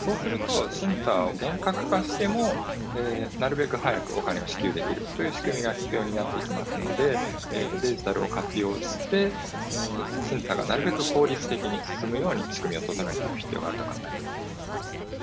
そうすると審査を厳格化してもなるべく早くお金を支給できるという仕組みが必要になってきますので、デジタルを活用して、審査がなるべく効率的に進むように仕組みを整えていく必要があると思います。